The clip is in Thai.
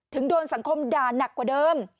โดนสังคมด่านักกว่าเดิม